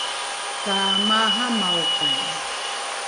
ka maaramaokai